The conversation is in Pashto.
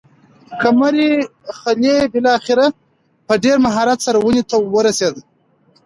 د قمرۍ خلی بالاخره په ډېر مهارت سره ونې ته ورسېد.